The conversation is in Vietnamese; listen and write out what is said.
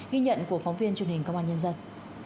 ghi nhận của phóng viên truyền hình công an nhân dân